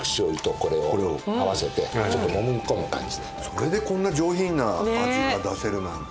それでこんな上品な味が出せるなんて。